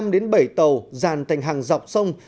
năm đến bảy tàu dàn thành hàng dọc sông